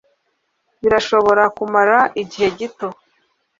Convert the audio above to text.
Birashobora kumara igihe gito